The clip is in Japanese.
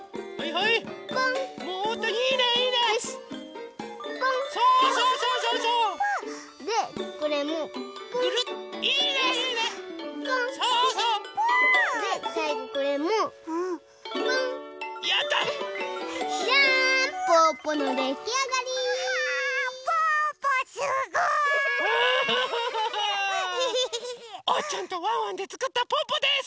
おうちゃんとワンワンでつくったぽぅぽです！